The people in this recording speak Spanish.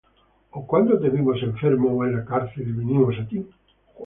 ¿O cuándo te vimos enfermo, ó en la cárcel, y vinimos á ti?